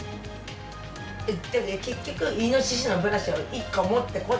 でも結局イノシシのブラシは１個持っとこう。